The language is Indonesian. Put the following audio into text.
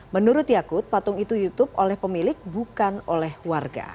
menurut yakut patung itu youtube oleh pemilik bukan oleh warga